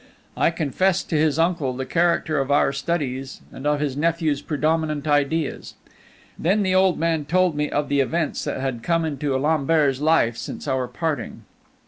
I confessed to his uncle the character of our studies and of his nephew's predominant ideas; then the old man told me of the events that had come into Lambert's life since our parting.